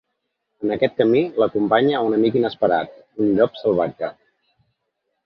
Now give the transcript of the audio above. En aquest camí l’acompanya un amic inesperat: un llop salvatge.